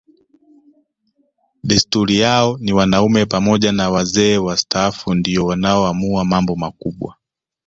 Desturi yao ni wanaume pamoja na wazee wastaafu ndio wanaoamua mambo makubwa